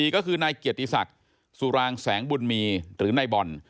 ก็คือนายเกียรติศักดิ์สุรางแสงบุญมีหรือนายบอล